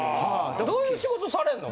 どういう仕事されんの？